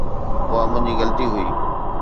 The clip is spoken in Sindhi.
اها منهنجي غلطي هئي